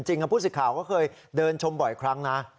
ผู้สิทธิ์ข่าวก็เคยเดินชมบ่อยครั้งนะ